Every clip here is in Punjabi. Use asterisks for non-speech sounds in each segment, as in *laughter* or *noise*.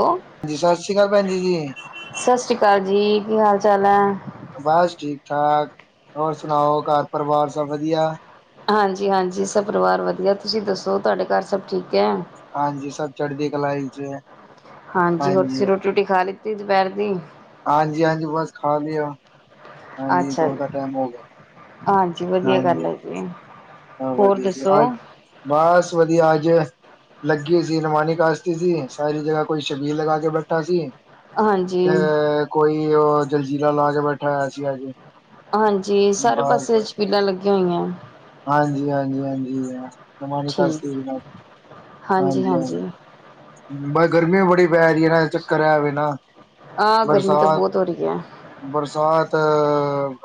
ਅ ਹਾਂਜੀ ਸਤਿ ਸ੍ਰੀ ਅਕਾਲ ਭੈਣ ਜੀ ਜੀ ਸਤਿ ਸ੍ਰੀ ਅਕਾਲ ਜੀ ਕੀ ਹਾਲ ਚਾਲ ਐ? ਬਸ ਠੀਕ ਠਾਕ। ਹੋਰ ਸੁਣਾਓ ਘਰ ਪਰਿਵਾਰ ਸਭ ਵਧੀਆ? ਹਾਂਜੀ-ਹਾਂਜੀ ਸਭ ਪਰਿਵਾਰ ਵਧੀਆ ਤੁਸੀਂ ਦੱਸੋ ਤੁਆਡੇ ਘਰ ਸਭ ਠੀਕ ਹਾਂਜੀ ਸਭ ਚੜ੍ਹਦੀ ਕਲਾ ਚ ਹਾਂਜੀ ਹੋਰ ਤੁਸੀਂ ਰੋਟੀ ਰੁਟੀ ਖਾ ਲਿਤ? ਫਿਰ ਦੁਪਹਿਰ ਦੀ? ਹਾਂਜੀ-ਹਾਂਜੀ ਬਸ ਖਾ ਲਿਆ। ਹਾਂਜੀ ਅੱਛਾ ਦੋ ਜੀ ਦਾ ਟੈਮ ਹੋ ਗਿਆ। ਹਾਂਜੀ, ਵਧੀਆ ਗੱਲ ਐ ਜੀ। ਹਾਂ ਹੋਰ ਵਧੀਆ ਜੀ, ਦੱਸੋ ਹਾਂ ਬਸ ਵਧੀਆ। ਅਜੇ ਲੱਗੀ ਸੀ, ਨਮਾਨੀ ਕਾਸ਼ਤੀ ਸੀ, ਸਾਰੀ ਜਗ੍ਹਾ ਕੋਈ ਛਬੀਲ, ਲਗਾ ਕੇ ਬੈਠਾ ਸੀ ਹਾਂਜੀ ਤੇ ਕੋਈ ਉ ਜਲਜੀਰਾਂ, ਲਾ ਕੇ ਬੈਠਾ ਹੋਇਆ ਸੀ ਅਜ। ਹਾਂਜੀ, ਸਾਰੇ ਪਾਸੇ ਛਬੀਲਾਂ ਲੱਗੀਆਂ ਹੋਈਆਂ। ਹਾਂਜੀ--ਹਾਂਜੀ ਹਾਂਜੀ, ਹ ਨਮਾਨੀ ਠੀਕ ਕਾਸ਼ਤੀ ਨ ਹਾਂਜੀ, ਹਾਂਜੀ। ਬਾਹਰ, ਗਰਮੀ ਬੜੀ ਪੈ ਰੀ ਏ ਨਾ, ਚੱਕਰ ਏ ਬਿਨਾਂ ਆਹ ਗਰਮੀ ਤਾਂ ਬਰਸਾਤ ਬਹੁਤ ਹੋ ਰਹੀ ਹੈ ਬਰਸਾਤ,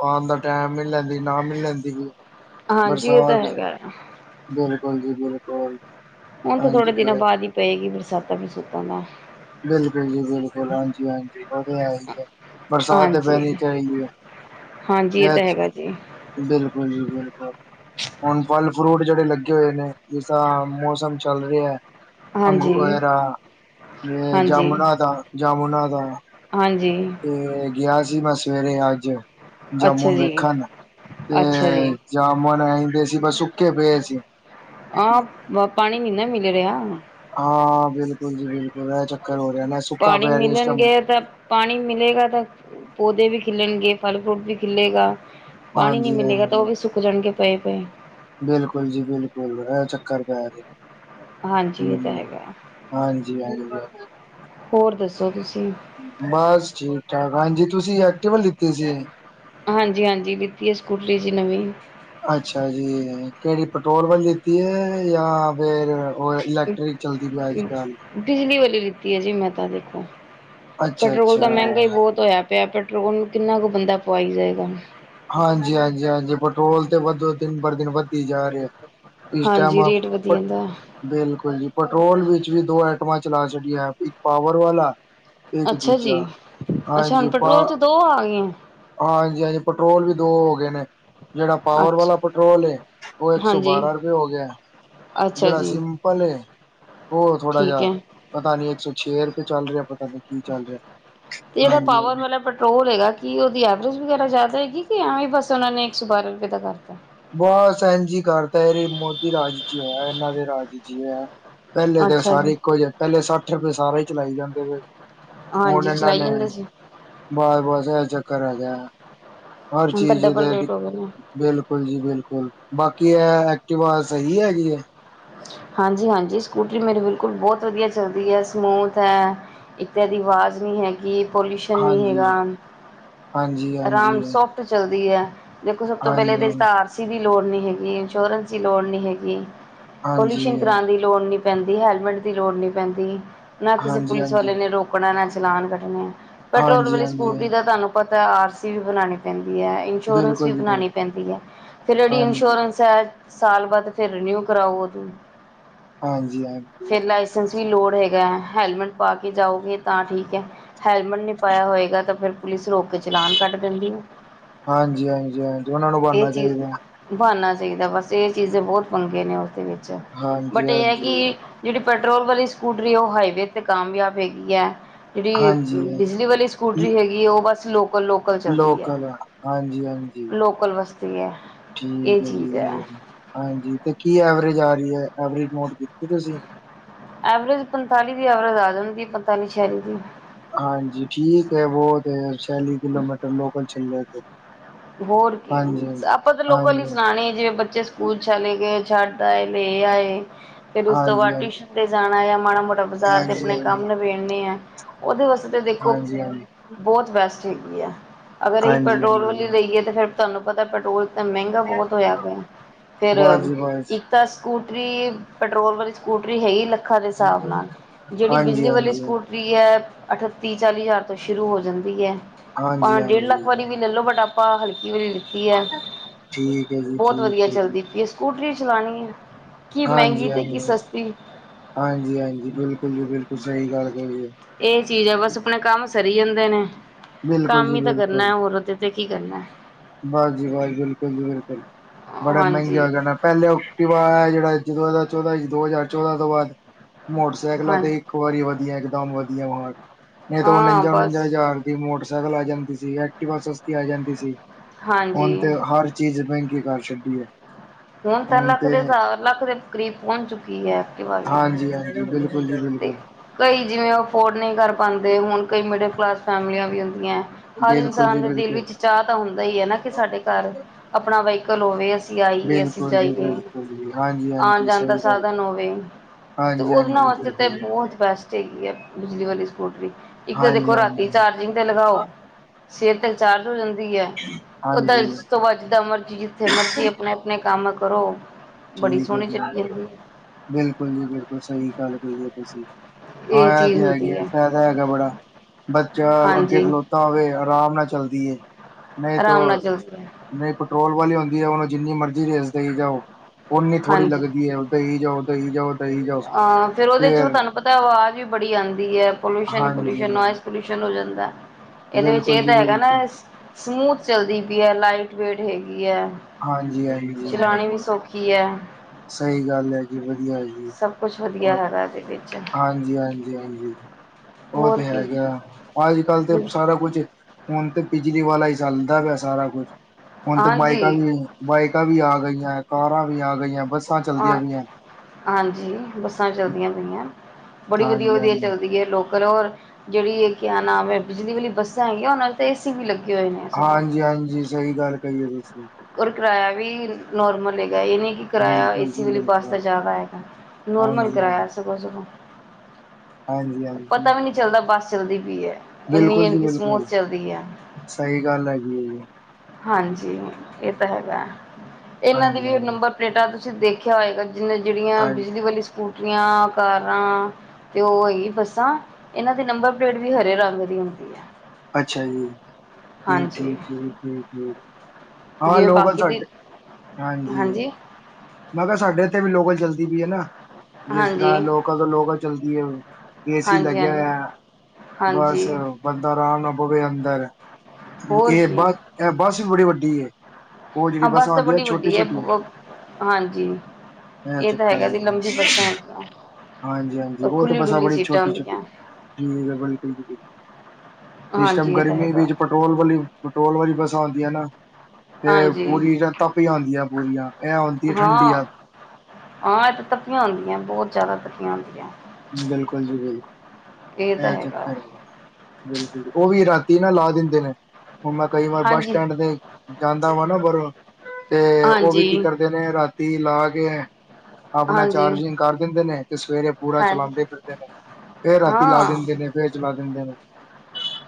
ਆਣ ਦਾ ਨਾਮ ਨਈ, ਲੈਂਦੀ ਲੈਂਦੀ ਪਈ। ਹਾਂਜੀ ਏ ਤਾਂ ਹੈਗਾ ਏ ਬਿਲਕੁਲ ਜੀ ਬਿਲਕੁਲ। ਹੁਣ ਤਾਂ ਥੋੜੇ ਹਾਂਜੀ ਦਿਨਾਂ ਬਾਅਦ ਈ ਪਏਗੀ, ਬਰਸਾਤਾਂ ਬਰਸੂਤਾਂ ਤਾ ਬਿਲਕੁਲ ਜੀ ਬਿਲਕੁਲ, ਹਾਂਜੀ-ਹਾਂਜੀ ਉਹ ਤੇ ਹੈ ਈ ਐ। ਬਰਸਾਤ, ਤਾਂ ਪੈਣੀ ਹਾਂਜੀ ਚਾਈਦੀ ਏ। ਹਾਂਜੀ ਇਹ ਐ, ਤਾਂ ਹੈਗਾ ਜੀ ਬਿਲਕੁਲ ਜੀ ਬਿਲਕੁਲ, ਹੁਣ ਫਲ ਫਰੂਟ ਜਿਹੜੇ ਲੱਗੇ ਹੋਏ ਨੇ, ਜਿਸ ਤਾਂ ਮੌਸਮ ਚੱਲ ਰਿਹਾ, ਹਾਂਜੀ ਅੰਗਰੁ ਵਗੇਰਾ ਇਹ ਹਾਂਜੀ ਜਾਮੁਨਾ ਦਾ, ਜਾਮੁਨਾ ਦਾ, ਹਾਂਜੀ ਤੇ ਗਿਆ ਸੀ, ਮੈਂ ਸਵੇਰੇ ਅੱਜ? ਅੱਛਾ ਜਾਮੁਨ ਜੀ ਵੇਖਣ ਤੇ ਅੱਛਾ ਜੀ ਜਾਮੁਨ ਆਏਦੇ, ਪਰ ਸੁੱਕੇ ਪਏ ਸੀ। ਆ, ਪਾਣੀ ਨਈ ਨਾ ਮਿਲ ਰਿਹਾ। ਹਾਂ, ਬਿਲਕੁਲ ਜੀ ਬਿਲਕੁਲ ਇਹ ਚੱਕਰ? ਹੋ ਰਿਹਾ ਨਾ ਸੁੱਕਾ ਪਾਣੀ ਪੈ ਰਿਹਾ ਇਸ ਟਾਈਮ ਮਿਲਣਗੇ ਤਾਂ, ਪਾਣੀ ਮਿਲੇਗਾ ਤਾਂ, ਪੌਦੇ ਵੀ ਖਿੱਲਣਗੇ, ਫਲ ਫਰੂਟ ਵੀ ਖਿੱਲੇਗਾ, ਪਾਣੀ ਨਹੀਂ ਹਾਂਜੀ ਮਿਲੇਗਾ, ਤਾਂ ਉਹ ਹਾਂਜੀ ਵੀ ਸੁੱਕ ਜਾਣਗੇ, ਪਏ ਪਏ। ਬਿਲਕੁਲ ਜੀ ਬਿਲਕੁਲ, ਐ ਚੱਕਰ ਪੈ ਗਏ। ਹਾਂਜੀ ਇਹ ਤਾਂ ਹੂ, ਹੈਗਾ ਹਾਂਜੀ--ਹਾਜੀ। ਹੋਰ ਦੱਸੋ ਤੁਸੀਂ ਬਸ, ਠੀਕ ਠਾਕ ਹਾਂਜੀ। ਤੁਸੀਂ, ਐਕਟਿਵਾ ਲਿਤੀ ਸੀ। ਹਾਂਜੀ--ਹਾਂਜੀ ਲਿਤੀ ਹੈ ਸਕੂਟਰੀ ਜੀ ਨਵੀਂ। ਅੱਛਾ ਜੀ, ਕਿਹੜੀ ਪੈਟਰੋਲ ਵਾਲੀ ਲਿਤੀ ਹੈ ਜਾ ਫੇਰ? ਹੋਰ ਇਲੈਕਟ੍ਰਿਕ, ਚੱਲਦੀ ਪਈ ਅੱਜ ਕੱਲ? ਅਲਕਟਿਕ ਲਿਤੀ, ਹੈ ਜੀ ਮੈਂ ਤਾਂ, ਦੇਖੋ ਅੱਛਾ ਪੈਟਰੋਲ ਅੱਛਾ ਤਾਂ ਮਹਿੰਗਾ ਹੀ ਬਹੁਤ ਹੋਇਆ ਪਿਆ। ਪੈਟਰੋਲ, ਕਿੰਨਾ ਕੁ ਬੰਦਾ ਪਵਾਈ ਜਾਏਗਾ। ਹਾਂਜੀ ਹਾਂਜੀ ਹਾਂਜੀ, ਪੈਟਰੋਲ ਤੇ ਵਧੋ ਦਿਨ ਬ ਦਿਨ, ਵੱਧਦੀ ਜਾ ਰਿਹਾ। ਇਸ ਟੈਮ ਹਾਂਜੀ ਆਪ, ਰੇਟ ਵਧੀਆ ਦਾ ਬਿਲਕੁਲ ਜੀ। ਪੈਟਰੋਲ ਵਿੱਚ, ਵੀ ਦੋ ਆਈਟਮਾਂ ਚਲਾ ਛਡੀਆਂ, ਇੱਕ ਪਾਵਰ ਵਾਲਾ ਇੱਕ ਅੱਛਾ ਦੂਜਾ ਜੀ ਅੱਛਾ ਹਾਂਜੀ, ਹੁਣ ਅਪਾਂ ਪੈਟਰੋਲ ਚ ਦੋ ਆ ਗਏ ਹੈ, ਹਾਂਜੀ ਹਾਂਜੀ। ਪੈਟਰੋਲ, ਵੀ ਦੋ ਹੋ ਗਏ ਨੇ ਜਿਹੜਾ ਪਾਵਰ ਅੱਛਾ ਵਾਲਾ ਪੈਟਰੋਲ ਐ ਉਹ ਇੱਕ ਸੌ ਹਾਂਜੀ ਬਾਰਾਂ ਰੁਪਏ ਹੋ ਗਿਆ। ਅੱਛਾ ਜਿਹੜਾ ਜੀ ਸਿੰਪਲ ਏ। ਹੋ ਥੋੜਾ ਠੀਕ ਜਿਹਾ ਹੈ ਪਤਾ ਨੀ ਇੱਕ ਸੌ ਛੇ ਰੁਪਏ ਚੱਲ ਰਿਹਾ ਪ ਤੇ ਜਿਹੜਾ ਪਾਵਰ ਹਾਂਜੀ ਵਾਲਾ ਪੈਟਰੋਲ ਹੈਗਾ ਕਿ ਉਹਦੀ ਐਵਰੇਜ ਵਗੈਰਾ ਜ਼ਿਆਦਾ ਹੈ। ਠੀਕ ਏ ਯਾ ਐਵੇਂ ਹੀ ਬਸ ਉਹਨਾਂ ਨੇ ਇਕ ਸੋ ਬਾਰਾਂਹ ਰੁਪਏ ਦਾ ਕਰਤਾ। ਬਸ ਐਂਜ ਈ ਕਰਤਾ ਐ ਮੋਦੀ ਰਾਜ 'ਚ ਹੋਇਆ ਇਹਨਾਂ ਦੇ ਰਾਜ ਇਚ ਹੋਇਆ। ਪਹਿਲੇ ਤੇ ਅੱਛਾ ਸਾਰੇ ਜੀ ਇੱਕੋ ਜਿਹੇ ਪਹਿਲੇ ਸੱਠ ਰੁਪਏ ਸਾਰੇ ਹੀ ਚਲਾਈ ਜਾਂਦੇ ਵੇ ਹਾਂਜੀ ਚਲਾਈ ਜਾਂਦੇ ਸੀ। ਬਸ- ਬਸ ਐ ਹੈਗਾ ਹਰ ਹੁਣ ਤਾਂ ਚੀਜ਼ ਡਬਲ ਦੇ ਰੇਟ ਹੋ ਗਏ ਨੇ ਬਿਲਕੁਲ ਜੀ ਬਿਲਕੁਲ ਬਾਕੀ ਕੀ ਐ ਐਕਟਿਵਾ ਸਹੀ ਹੈਗੀ ਏ। ਹਾਂਜੀ -ਹਾਂਜੀ ਸਕੂਟਰੀ ਮੇਰੀ ਬਿਲਕੁਲ ਬਹੁਤ ਵਧੀਆ ਚੱਲਦੀ ਹੈ ਸਮੂਥ ਹੈ। ਇਕ ਤੇ ਐਦੀ ਆਵਾਜ਼ ਨਹੀਂ ਹੈਗੀ ਪੋਲਿਊਸ਼ਨ ਨਹੀਂ ਹਾਂਜੀ ਹੈਗਾ। ਹਾਂਜੀ ਹਾਂਜੀ ਆਰਾਮ ਹਾਂਜੀ ਸੋਫਟ ਚਲਦੀ ਹੈ ਦੇਖੋ ਸਭ ਤੋਂ ਪਹਿਲੇ ਹਾਂਜੀ ਤੇ ਇਸ ਦਾ ਆਰ ਸੀ ਵੀ ਲੋੜ ਨਹੀਂ ਹੈਗੀ ਇੰਸ਼ੋਰੈਂਸ ਦੀ ਲੋੜ ਨਹੀਂ ਹੈਗੀ, ਪੋਲਿਊਸ਼ਨ ਹਾਂਜੀ ਕਰਾਉਣ ਦੀ ਲੋੜ ਨਹੀਂ। ਪੈਂਦੀ ਹੈਲਮੇਟ ਦੀ ਲੋੜ ਨਹੀਂ ਪੈਂਦੀ ਨਾ ਕਿਸੇ ਹਾਂਜੀ ਪੁਲਿਸ ਵਾਲੇ ਨੇ ਰੋਕਣਾ ਨਾ ਚਲਾਨ ਕੱਟਣੇ ਪੈਟਰੋਲ ਹਾਂਜੀ ਵਾਲੀ ਹਾਂਜੀ ਸਕੂਟਰੀ ਦਾ ਤੁਹਾਨੂੰ ਪਤਾ ਆਰ ਸੀ ਵੀ ਬਣਾਉਣੀ ਪੈਂਦੀ। ਇਨਸ਼ੋਰੈਂਸ ਵੀ ਬਿਲਕੁਲ ਜੀ ਬਿਲਕੁਲ ਬਣਾਉਣੀ ਪੈਂਦੀ ਹੈ ਫਿਰ ਜਿਹੜੀ ਹਾਂਜੀ ਇਨਸ਼ੋਰੈਂਸ ਹੈ। ਸਾਲ ਬਾਅਦ ਫਿਰ ਰਿਨਿਊ ਕਰਾਓ ਉਹਨੂੰ ਹਾਂਜੀ ਹਾਂਜੀ ਫਿਰ ਲਾਇਸੈਂਸ ਵੀ ਲੋੜ ਹੈਗਾ। ਹੈਲਮਟ ਪਾ ਕੇ ਜਾਓਗੇ ਤਾਂ ਠੀਕ ਹੈ ਹੈਲਮਟ ਨਹੀਂ ਪਾਇਆ ਹੋਏਗਾ ਤਾਂ ਫਿਰ ਪੁਲਿਸ ਰੋਕ ਕੇ ਚਲਾਨ ਕੱਟ ਦਿੰਦੀ ਏ। ਹਾਂਜੀ--ਹਾਂਜੀ ਉਹਨਾਂ ਨੂੰ ਇਹ ਬਾਨਾ ਚੀਜ਼ ਚਾਹੀਦਾ। ਬਣਨਾ ਚਾਹੀਦਾ ਬਸ ਇਹ ਚੀਜ਼ ਦੇ ਬਹੁਤ ਪੰਗੇ ਨੇ ਉਹਦੇ ਵਿੱਚ ਹਾਂਜੀ ਬਟ ਇਹ ਹੈ ਹਾਂਜੀ ਕਿ ਜਿਹੜੇ ਪੈਟਰੋਲ ਵਾਲੀ ਸਕੂਟਰੀ ਉਹ ਹਾਈਵੇ ਤੇ ਕਾਮਯਾਬ ਹੈਗੀ ਹੈ। ਜਿਹੜੀ ਹਾਂਜੀ ਬਿਜਲੀ ਵਾਲੀ ਸਕੂਟਰੀ ਹੈਗੀ ਹੈ ਉਹ ਬਸ ਲੋਕਲ ਲੋਕਲ ਚਲਦੀ ਹੈ ਹਾਂਜੀ ਹਾਂਜੀ ਲੋਕਲ ਵਸਤੇ ਠੀਕ ਹੈ ਜੀ ਹਾਂਜੀ ਤੇ ਕੀ ਐਵਰੇਜ ਆ ਰਹੀ ਹੈ ਐਵਰੇਜ ਮੋੜ ਕਿ ਤੁਸੀਂ ਐਵਰੇਜ ਪੰਤਾਲੀ ਦੀ ਐਵਰੇਜ ਆ ਜਾਂਦੀ ਹੈ ਪੰਤਾਲੀ ਛਹਿਆਲੀ ਦੀ ਹਾਂਜੀ ਠੀਕ ਹੈ ਬ ਤੇ ਯਾਰ ਛਲੀ *unintelligible* ਕਿਲੋਮੀਟਰ ਲੋਕਕਲ ਚੱਲ ਰ ਹੋਰ ਕੀ ਆਪਾਂ ਤਾਂ ਲੋਕਾਂ ਹੀ ਸੁਣਾਣੇ ਜਿਵੇਂ ਬੱਚੇ ਸਕੂਲ ਚਲੇ ਗਏ। ਛੱਡ ਆਏ ਲੈ ਆਏ ਫੇਰ ਉਸ ਤੋਂ ਹਾਂਜੀ ਹਾਂਜੀ ਬਾਅਦ ਟਿਊਸ਼ਨ ਤੇ ਜਾਣਾ ਆ। ਮੋਟਾ ਬਾਜ਼ਾਰ ਤੇ ਹਾਂਜੀ ਹਾਂਜੀ ਆਪਣੇ ਕੰਮ ਨਬੇੜੇ ਆ ਉਹਦੇ ਵਾਸਤੇ ਦੇਖੋ ਹਾਂਜੀ ਹਾਂਜੀ ਬਹੁਤ ਵੈਸਟ *unintelligible* ਹਾਂਜੀ -ਹਾਂਜੀ ਫਿਰ ਤੁਹਾਨੂੰ ਪਤਾ ਪੈਟਰੋਲ ਤਾਂ ਮਹਿੰਗਾ ਬਹੁਤ ਹੋਇਆ ਪਿਆ ਫਿਰ ਬਸ ਜੀ ਬਸ ਇੱਕ ਤਾਂ ਸਕੂ ਸਕੂਟਰੀ ਪੈਟਰੋਲ ਵਾਲੀ ਸਕੂਟਰੀ ਹੈਗੀ ਲੱ ਅੱਖਾਂ ਦੇ ਹਿਸਾਬ ਨਾਲ ਜਿਹੜੀ ਹਾਂਜੀ ਬਿਜਲੀ ਵਾਲੀ ਹਾਂਜੀ ਸਕੂਟਰੀ ਹੈ। ਅਠੱਤੀ ਚਾਲੀ ਹਜ਼ਾਰ ਤੋਂ ਸ਼ੁਰੂ ਹੋ ਜਾਂਦੀ ਹੈ ਭਾਂ ਹਾਂਜੀ ਡੇਢ ਲੱਖ ਹਾਂਜੀ ਵਾਰੀ ਵੀ ਲੈ ਲੋ ਬਟ ਆਪ ਹਾਂ ਹਲਕੀ ਵਾਲੀ ਲਿੱਤੀ ਹੈ ਠੀਕ ਹੈ ਜੀ ਬਹੁਤ ਵਧੀਆ ਠੀਕ ਹੈ ਜੀ ਚਲਦੀ ਪਈ ਹੈ ਸਕੂਟਰੀ ਚਲਾਉਣੀ ਐ। ਹਾਂਜੀ -ਹਾਂਜੀ -ਹਾਂਜੀ -ਹਾਂਜੀ ਬਿਲਕੁਲ ਜੀ ਬਿਲਕੁਲ ਸਹੀ ਗੱਲ *unintelligible* ਇਹ ਚੀਜ਼ ਹੈ ਬਸ ਆਪਣੇ ਕੰਮ ਸਰੀ ਜਾਂਦੇ ਨੇ ਬਿਲਕੁਲ ਕੰਮ ਜੀ ਹੀ ਤਾਂ ਬਿਲਕੁਲ ਕਰਨਾ ਹੋਰ ਉਹਦੇ ਤੇ ਕੀ ਕਰਨਾ। ਬਸ ਜੀ ਬਸੀ ਬਿਲਕੁਲ ਜੀ ਬਿਲਕੁਲ ਹੈ। ਬੜੇ ਮਹਿੰਗੇ ਹੋ ਹਾਂਜੀ। ਜਾਣਾ ਪਹਿਲੇ ਐਕਟੀਵਾ ਜਿਹੜਾ ਜਦੋਂ ਚੌਦਾਂ ਦੋ ਹਜ਼ਾਰ ਚੌਦਾਂ ਤੋਂ ਬਾਅਦ ਮੋਟਰਸਾਈਕਲਾਂ ਹਾਂ ਤੇ ਇੱਕ ਵਾਰੀ ਵਧੀਆ ਦਮ ਵਧੀਆ ਹੋ ਇਹ ਤਾਂ ਹਾਂ ਉਣੰਜਾ ਬਸ -ਉਣੰਜਾ ਹਜ਼ਾਰ ਦੀ ਮੋਟਰ ਲ ਆ ਜਾਂਦੀ ਸੀ ਐਕਟਿਵਾ ਸਸਤੀ ਆ ਜਾਂਦੀ ਸੀ ਹੁਨ ਹਾਂਜੀ ਤੇ ਹਰ ਚੀਜ਼ ਮਹਿੰਗੀ ਗੀ ਕਰ ਛੱਡੀ ਏ। ਹੁਣ ਤਾਂ ਲੱਖ ਦੇ ਹਜ਼ਾਰ ਲੱਖ ਦੇ ਕਰੀਬ ਪਹੁੰਚ ਚੁੱਕੀ ਹੈ ਐਕਟਿਵਾ ਵੀ ਹਾਂਜੀ ਹਾਂਜੀ ਬਿਲਕੁਲ ਜੀ ਤੇ ਬਿਲਕੁਲ ਕਈ ਜਿਵੇਂ ਉਹ ਅਫੋਰਡ ਨਈ ਕਰ ਪਾਂਦੇ। ਹੁਣ ਕਈ ਮਿਡਲ ਕਲਾਸ ਫੈਮਲੀਆਂ ਵੀ ਹੁੰਦੀਆਂ ਐ। ਹਰ ਬਿਲਕੁਲ ਇਨਸਾਨ ਜੀ ਦੇ ਦਿਲ ਬਿਲਕੁਲ ਵਿੱਚ ਚਾਅ ਤਾਂ ਹੁੰਦਾ ਹੀ ਹੈ ਨਾ ਕਿ ਸਾਡੇ ਘਰ ਆਪਣਾ ਵਹੀਕਲ ਹੋਵੇ। ਅਸੀਂ ਆਈਏ, ਅਸੀਂ ਬਿਲਕੁਲ ਜੀ ਜਾਈਏ ਬਿਲਕੁਲ ਜੀ ਹਾਂਜੀ ਹਾਂਜੀ ਆਣ-ਜਾਣ ਦਾ ਸਹੀ ਗੱਲ ਸਾਧਨ ਹੋਵੇ। ਹਾਂਜੀ, ਹਾਂਜੀ। ਉਹਨਾਂ ਵਾਸਤੇ ਤੇ ਜੀ ਬਹੁਤ ਬੈਸਟ ਹੈਗੀ ਹੈ। ਬਿਜਲੀ ਵਾਲੀ ਸਕੂਟਰੀ ਇੱਕ ਤਾਂ ਹਾਂਜੀ ਦੇਖੋ ਰਾਤੀ ਹਾਂਜੀ ਚਾਰਜਿੰਗ ਤੇ ਲਗਾਓ। ਸਵੇਰ ਤਕ ਚਾਰਜ ਜਾਂਦੀ ਐ। ਉਹਦ ਹਾਂਜੀ ਇਸ ਤੋਂ ਬਾਅਦ ਜਿੱਦਾਂ ਮਰਜ਼ੀ ਜਿੱਥੇ ਮਰਜ਼ੀ ਆਪਣੇ, ਆਪਣੇ ਕੰਮ ਕਰੋ। ਬੜੀ ਠੀਕ ਹੈ ਸੋਹਣੀ ਚੱਲੀ ਜ ਜਾਂਦੀ ਬਿਲਕੁਲ ਜੀ, ਬਿਲਕੁਲ ਸਹੀ ਗੱਲ ਕਈ ਤੁਸੀਂ। ਹੈ ਹਾਂ ਇਹ ਯਦ ਚੀਜ਼ ਆਗੀ ਹੁੰਦੀ ਹੈ ਫਾਇਦਾ ਹੇਗਾ ਬੜਾ। ਬੱਚਾ ਅੱਗੇ ਹਾਂਜੀ। ਖਲੋਤਾ ਹੋਵੇ ਆਰਾਮ ਨਾਲ ਚੱਲਦੀ ਏ। ਨਹੀਂ ਤ ਆਰਾਮ ਨਾਲ ਚੱਲਦੀ ਹੈ ਨਹੀਂ ਪੈਟਰੋਲ ਵਾਲੀ ਹੁੰਦੀ ਹੈ ਉਹਨੂੰ ਜਿੰਨੀ ਮਰਜ਼ੀ ਰੇਸ ਦੇਈ ਜਾਓ। ਓਨੀ ਥੋੜ੍ਹੀ ਲੱਗਦੀ ਹੈ ਉੱਦ ਹੀ ਜਾਓ ਉ ਹੀ ਜਾਓ। ਦਈ ਜਾਓ ਹਾਂ ਫੇਰ ਉਹਦੇ ਚ ਤੁਹਾਨੂੰ ਪਤਾ ਆਵਾਜ਼ ਵੀ ਬੜੀ ਆਦੀ ਐ। ਪੋਲਿਊਸ਼ਨ ਈ ਪੋਲਿਊਸ਼ਨ ਹਾਂਜੀ ਨੋਇਜ਼ ਪੋਲਿਊਸ਼ਨ ਹੋ ਜਾਂਦੀ। ਇਹਦੇ ਵਿੱਚ ਬਿਲਕੁਲ ਇਹ ਜੀ ਤਾਂ ਹੈਗਾ ਨਾ ਬਿਲਕੁਲ ਸਮੂਥ ਚਲਦੀ ਪਈ ਹੈ ਲਾਈਟ ਵੇਟ ਹੈਗੀ। ਕੀ ਐ ਹਾਂਜੀ ਹਾਂਜੀ ਚਲਾਉਣੀ ਵੀ ਸੌਖੀ ਐ। ਸਹੀ ਗੱਲ ਹੈ ਜੀ ਵਧੀਆ ਜੀ ਸਭ ਕੁਛ ਵਧੀਆ ਔਰ ਹੈਗਾ ਇਹਦੇ ਵਿੱਚ ਹਾਂਜੀ ਹਾਂਜੀ ਹਾਂਜੀ ਉਹ ਹੋਰ ਤੇ ਕੀ ਹੈਗਾ ਅੱਜ ਕੱਲ੍ਹ ਤੇ ਸਾਰਾ ਕੁਜ ਹੁਨ ਤੇ ਬਿਜਲੀ ਵਾਲਾ ਹੀ ਚੱਲਦਾ ਪਿਆ ਸਾਰਾ ਕੁਛ ਹੁਣ ਤੇ ਬਾਈਕ ਹਾਂਜੀ ਵੀ ਬਾਈਕਾਂ ਵੀ ਆ ਗਈਆਂ। ਕਾਰਾਂ ਵੀ ਆ ਗਈਆਂ। ਬੱਸਾਂ ਚਲਦੀਆਂ ਹਾਂ ਪਈਆ। ਹਾਂਜੀ ਬੱਸਾਂ ਚੱਲਦੀਆਂ ਪਈਆਂ ਬੜੀ ਵਧੀਆ, ਵਧੀਆ ਹਾਂਜੀ-ਹਾਂਜੀ, ਚੱਲਦੀ ਐ ਲੋਕ ਕਰੋ ਔਰ ਜਿਹੜੀ ਇਹ ਕਿਆ ਨਾਮ ਬਿਜਲੀ ਵਾਲੀ ਬੱਸਾਂ ਹੈਗੀਆਂ ਉਹਨਾਂ ਤੇ ਏ ਸੀ ਵੀ ਲੱਗੀ ਹਾਂਜੀ -ਹਾਂਜੀ ਸਹੀ ਗੱਲ ਕਹੀਏ ਤੁਸੀਂ ਔਰ ਕਿਰਾਇਆ ਵੀ ਨੋਰਮਲ ਹੈਗਾ। ਇਹ ਨਹੀਂ ਕਿ ਕਿਰਾਇਆ ਬਿਲਕੁਲ ਏਸੀ ਜੀ ਵਾਲੀ ਬੱਸ ਦਾ ਬਿਲਕੁਲ, ਜ਼ਿਆਦਾ ਹੈਗਾ। ਨੋਰਮਲ ਕਰਵਾਇਆ ਹਾਂਜੀ-ਹਾਂਜੀ, ਸਗੋਂ, ਸਗੋਂ। ਹਾਂਜੀ, ਹਾਂਜੀ। ਪਤਾ ਵੀ ਨਹੀਂ ਚੱਲਦਾ ਬੱਸ ਚੱਲਦੀ ਪਈ ਹੈ। ਇੰਨੀ ਐ ਕਿ ਸਮੂਥ ਚੱਲਦੀ ਆ। ਸਹੀ ਗੱਲ ਹੈਗੀ ਏ ਜੀ, ਹਾਂਜੀ ਇਹ ਤਾ ਹੈਗਾ, ਇਨਾਂ ਦੀ ਵੀ ਹਾਂਜੀ-ਹਾਂਜੀ, ਹਾਂਜੀ। ਨੰਬਰ ਪਲੇਟਾਂ ਤੁਸੀਂ ਦੇਖਿਆ ਹੋਏਗਾ ਜਿ ਜਿਹੜੀਆਂ ਹਾਂਜੀ ਬਿਜਲੀ ਵਾਲੀ ਸਕੂਟ ਟੀਆਂ ਕਾਰਾਂ ਤੇ ਉਹ ਹੈਗੀ ਬੱਸਾਂ ਇਹਨਾਂ ਦੀ ਨੰਬਰ ਪਲੇਟ ਵੀ ਹਰੇ ਰੰਗ ਦੀ ਹੁੰਦੀ ਐ। ਅੱਛਾ ਜੀ ਠੀਕ, ਠੀਕ, ਠੀਕ, ਠੀਕ, ਠੀਕ ਜਿਵੇਂ ਹਾਂ *inaudible* ਬਾਕੀ ਦੀ ਸਾਡੇ ਹਾਂਜੀ ਮੈਂ ਕਿਹਾ ਸਾਡੇ ਇਥ ਵੀ ਲੋਕਲ ਚਲਦੀ ਪਈ ਐ ਨਾ। ਜਿਸ ਹਾਂਜੀ ਤਰ੍ਹਾਂ ਲੋਕਾਂ ਤੋਂ ਲੋਕਲ ਚੱਲਦੀ ਏ। ਏਸੀ ਹਾਂਜੀ ਹਾਂਜੀ ਲੱਗਿਆ ਬੱਸ ਹਾਂਜੀ ਬੰਦਾ ਰਾਭ ਨਾਲ ਪਵੇ ਅੰਦਰ ਹੋਰ ਇਹ ਕੀ ਬ ਇਹ ਬਸ ਵੀ ਬੜੀ ਵੱਡੀ ਏ। ਹਾਂ ਬਸ ਤਾਂ ਬੜੀ ਵੱਡੀ ਹੈ। ਬ ਹਾਂਜੀ। ਇਹ ਤਾਂ ਹੈਗਾ ਵੀ ਲੰਬੀ ਬੱਸਾਂ ਹੈਗੀਆਂ। ਹਾਂਜੀ, ਹਾਂਜੀ। ਔਰ ਉਹ ਤੇ ਖੁੱਲੀ ਬੱਸਾਂ ਡੁੱਲੀ ਬੜੀ ਸੀਟਾਂ ਛੋਟੀ, ਛੋਟੀ ਹੁੰਦੀਆਂ ਠੀਕ ਆ ਬਿਲਕੁਲ ਜੀ ਬਿਲਕੁ ਇਸ ਟਾਈਮ ਹਾਂਜੀ ਇਹ ਤਾਂ ਗਰਮੀ ਹੈਗਾ ਵਿੱਚ ਪੈਟਰੋਲ ਵਾਲੀ ਪੈਟਰੋਲ ਵਾਲੀ ਬੱਸਾ ਆਦੀਆਂ ਨਾ ਇਹ ਹਾਂਜੀ ਪੂਰੀ ਤਪੀਆ ਆਦੀਆਂ ਪੂਰੀਆਂ ਇਹ ਆਉਂਦੀ ਠੰਡੀ ਹਾਂ ਆ ਹਾਂ ਇਹ ਤੱਪੀਆਂ ਹੁੰਦੀਆਂ, ਬਹੁਤ ਜਿਆਦਾ ਤਪੀਆਂ ਹੁੰਦੀਆਂ। ਬਿਲਕੁਲ ਜੀ ਇਹ ਬਿਲਕੁਲ ਤਾਂ ਐ ਹੈਗਾ ਚਕਰ ਐਗਾ। ਬਿਲਕੁਲ ਓ ਵੀ ਤ ਨਾ ਲਾ ਦਿੰਦੇ ਨੇ ਹੁਣ ਮੈਂ ਕਈ ਵਾਰ ਬੱਸ ਹਾਂਜੀ ਸਟੈਂਡ ਤੇ ਜਾਂਦਾ ਵਾ ਨਾ ਬਾਰੋ ਤੇ ਓ ਵੀ ਕੀ ਹਾਂਜੀ ਕਰਦੇ ਨੇ ਰਾਤੀ ਲਾ ਕੇ ਆਪਣਾ ਹਾਂਜੀ ਚਾਰਜਿੰਗ ਕਰ ਦਿੰਦੇ ਨੇ ਤੇ ਸਵੇਰੇ ਪੂਰਾ ਹਾਂਜੀ ਚਲਾਉਂਦੇ ਫਿਰਦੇ ਨੇ ਫੇਰ ਰਾਤੀ ਲਾ ਹਾਂ ਦਿੰਦੇ ਨੇ ਫੇਰ ਚਲਾ ਦਿੰਦੇ ਨੇ।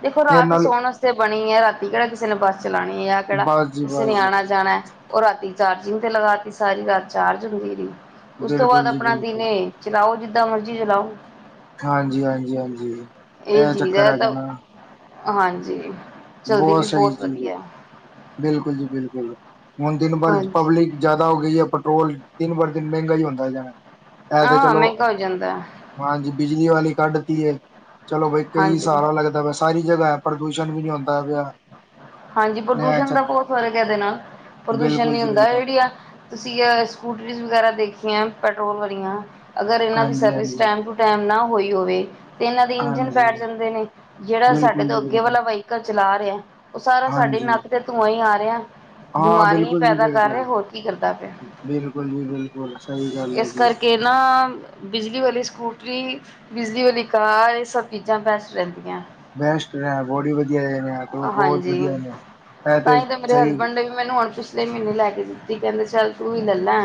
ਦੇਖੋ ਇਹ ਰਾਤ ਨਾਲ ਸੋਣ ਵਾਸਤੇ ਬਣੀ ਐ। ਰਾਤੀ ਕਿਹੜਾ ਕਿਸੇ ਨੇ ਬੱਸ ਚਲਾਉਣੀ ਐ ਜਾਂ ਕਿਹੜਾ ਬਸ ਜੀ ਕਿਸੇ ਬਸ ਨੇ ਜੀ। ਆਣਾ ਜਾਣਾ। ਉਹ ਰਾਤੀ ਚਾਰਜਿੰਗ ਤੇ ਲਗਾ ਤ ਸਾਰੀ ਰਾਤ ਚਾਰਜ ਹੁੰਦੀ ਰਹੀ। ਉਸ ਤੋਂ ਬਾਅਦ ਬਿਲਕੁਲ ਜੀ ਆਪਣਾ ਦਿਨੇ ਬਿਲਕੁਲ ਚਲਾਓ ਜਿੱਦਾਂ ਮਰਜ਼ੀ ਚਲਾਓ। ਹਾਂਜੀ, ਹਾਂਜੀ, ਹਾਂਜੀ। ਇਹ ਚੀਜ਼ ਚੱਕਰ ਐ ਇਕ ਹੈਗਾ ਤਾਂ ਨਾ ਹਾਂਜੀ। ਚਲਦੀ ਬਹੁਤ ਵੀ ਸਹੀ ਚੀਜ਼ ਹੈ ਵਧੀਆ ਬਿਲਕੁਲ ਜੀ ਬਿਲਕੁਲ। ਹੁਣ ਦਿਨ ਬਰ ਹਾਂਜੀ ਪਬਲਿਕ ਜਿਆਦਾ ਹੋ ਗਈ ਹੈ। ਪੈਟਰੋਲ ਦਿਨ ਬਰ ਦਿਨ ਮਹਿੰਗਾ ਹੀ ਹੁੰਦਾ ਜਾਣਾ। ਇਹ ਤੇ ਹਾਂ ਚਲੋ, ਮਹਿੰਗਾ ਹੋ ਜਾਂਦਾ ਹਾਂਜੀ। ਬਿਜਲੀ ਵਾਲੀ ਕੱਢ ਤਿ ਏ, ਚਲੋ ਬਈ ਕਈ ਹਾਂਜੀ ਸਾਲਾ ਲੱਗਦਾ ਵ ਸਾਰੀ ਜਗ੍ਹਾ ਹੈ ਪ੍ਰਦੂਸ਼ਣ ਵੀ ਨੀ ਆਂਦਾ *unintelligible* ਹਾਂਜੀ ਪ੍ਰਦੂਸ਼ਣ ਦਾ ਚੱਕਰ ਬਹੁਤ ਫਰਕ ਏ ਇਹਦੇ ਨਾਲ ਪ੍ਰਦੂਸ਼ਣ ਬਿਲਕੁਲ ਨੀ ਜੀ ਹੁੰਦਾ ਬਿਲਕੁਲ ਜਿਹੜੀ ਆ ਤੁਸੀਂ ਅ ਸਕੂਟਰੀ ਵਗੈਰਾ ਦੇਖ ਪੈਟਰੋਲ ਵਾਲੀਆਂ ਅਗਰ ਇਹਨਾਂ ਦੀ ਹਾਂਜੀ ਸਰਵਿਸ ਹਾਂਜੀ। ਟੈਮ ਟੂ ਟੈਮ ਨਾ ਹੋਈ ਹੋਵੇ ਤੇ ਇਹਨਾਂ ਦੇ ਇੰਜਣ ਹਾਂਜੀ, ਫੈਠ ਜਾਂਦੇ ਨੇ, ਜਿਹੜਾ ਸਾਡੇ ਬਿਲਕੁਲ ਤੋਂ ਜੀ ਅੱਗੇ ਬਿਲਕੁਲ, ਵਾਲਾ ਵਹੀਕਲ ਚਲਾ ਰਿਹਾ ਉਹ ਸਾਰਾ ਸਾਡੇ ਹਾਂਜੀ, ਨੱਕ ਤੇ ਧੂੰਆਂ ਹੀ ਆ ਰਿਹਾ। ਹਾਂ ਬਿਮਾਰੀਆਂ ਬਿਲਕੁਲ ਜੀ ਪੈਦਾ ਕਰ ਰਹੇ ਬਿਲਕੁਲ। ਹੋਰ ਕੀ ਕਰਦਾ ਪਿਆ ਬਿਲਕੁਲ ਜੀ ਬਿਲਕੁਲ, ਸਹੀ ਗੱਲ ਹੈ ਇਸ ਜੀ। ਕਰ ਕੇ ਨਾ ਬਿਜਲੀ ਵਾਲੀ ਸਕੂਟਰੀ ਬਿਜਲੀ ਵਾਲੀ ਕਾਰ ਇਹ ਸਭ ਚੀਜ਼ਾਂ ਬੈਸਟ ਰਹਿੰਦੀਆਂ। ਬੈਸਟ ਰ ਬੋਡੀ ਬਧ ਹਾਂਜੀ ਤਾਂ ਤੇ ਹੀ ਤਾਂ ਮੇਰੇ ਸਹੀ, ਹਸਬੈਂਡ ਨੇ ਵੀ ਮੈਨੂੰ ਹੁਣ ਪਿਛਲੇ ਮਹੀਨੇ ਲੈ ਕੇ ਦਿੱਤੀ ਕਹਿੰਦੇ ਚੱਲ ਤੂੰ ਵੀ ਲੈ ਲੈ,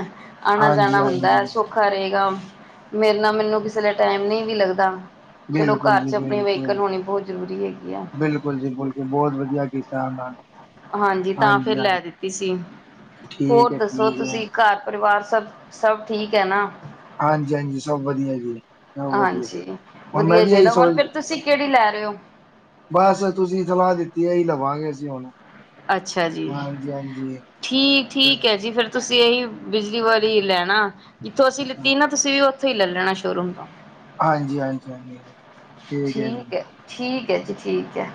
ਆਣਾ- ਜਾਣਾ ਹੁੰਦਾ ਹਾਂਜੀ-ਹਾਂਜੀ, ਸੌਖਾ ਰਹੇਗਾ। ਮੇਰੇ ਨਾਲ ਮੈਨੂੰ ਕਿਸੇ ਲ ਟਾਈਮ ਨਹੀਂ ਵੀ ਲੱਗਦਾ ਚਲੋ ਬਿਲਕੁਲ ਘਰ ਜੀ ਚ ਆਪਣੀ ਵਹੀਕਲ ਬਿਲਕੁਲ। ਹੋਣੀ ਬਹੁਤ ਜ਼ਰੂਰੀ ਹੈਗੀ ਆ। ਤੇ ਬਹੁਤ ਵਧੀਆ ਕੀਤਾ ਉਹਨਾਂ ਨੇ ਹਾਂਜੀ ਤਾਂ ਫੇਰ ਲੈ ਹਾਂਜੀ-ਹਾਂਜੀ। ਦਿੱਤੀ ਸੀ। ਹੋਰ ਠੀਕ ਹੈ, ਦੱਸੋ ਠੀਕ ਹੈ, ਤੁਸੀਂ ਘੱਰ ਪਰਿਵਾਰ ਸਭ-ਸਭ ਠੀਕ ਹੈ ਨਾ? ਹਾਂਜੀ-ਹਾਂਜੀ ਸਭ ਵਧੀਆ ਜੀ ਸ ਵਧੀਆ। ਹਾਂਜੀ ਹੁਣ ਮੈਂ ਵਧੀਆ ਵੀ ਇਹੀ ਚਾਹੀਦਾ ਹੁਣ ਸੋਚ ਫਿਰ ਤੁਸੀਂ ਕਿਹੜੀ ਲੈ ਰਹੇ ਹੋ? ਬਸ ਤੁਸੀਂ ਸਲਾਹ ਦਿੱਤੀ ਹੈ ਹੀ ਲਵਾਂਗੇ ਅਸੀ ਹੁਣ। ਅੱਛਾ ਜੀ ਹਾਂਜੀ-ਹਾਂਜੀ, ਹਾਂਜੀ-ਹਾਂਜੀ, ਠੀਕ-ਠੀਕ ਹੈ ਜੀ ਫਿਰ ਤੁਸੀਂ ਇਹੀ ਬਿਜਲੀ ਵਾਲੀ ਲੈਣਾ ਜਿੱਥੋਂ ਅਸੀਂ ਲਿੱਤੀ ਹਾਂਜੀ। ਨਾ ਤੁਸੀਂ ਵੀ ਉੱਥੋਂ ਹੀ ਲੈ ਲੈਣਾ ਸ਼ੋਰੂਮ ਤੋਂ ਹਾਂਜੀ-ਹਾਂਜੀ-ਹਾਂਜੀ। ਠੀਕ ਹੈ, ਠੀਕ ਹੈ ਜੀ ਠੀਕ ਹੈ।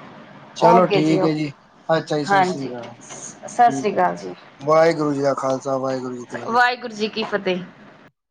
ਚਲੋ ਓਕੇ ਠੀਕ ਏ ਜੀ। ਓਕੇ ਅੱਛਾ ਜੀ ਸਤਿ ਸ੍ਰੀ ਹਾਂਜੀ ਅਕਾਲ ਸਤਿ ਠੀਕ ਸ੍ਰੀ ਆ ਅਕਾਲ ਜੀ ਵਾਹਿਗੁਰੂ ਜੀ ਕਾ ਖਾਲ ਵਾਹਿਗੁਰੂ ਜੀ ਕੀ ਫਤਿਹ ਵਾਹਿਗੁਰੂ ਜੀ ਕੀ ਫਤਿਹ